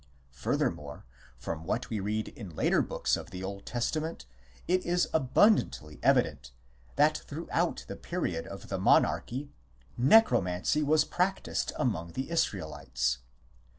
Further more, from what we read in later books of the Old Testa ment it is abundantly evident that throughout the period of the monarchy Necromancy was practised among the Israelites.